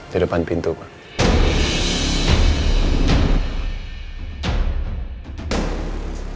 di depan pintu pak